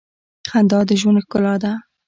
• خندا د ژوند ښکلا ده.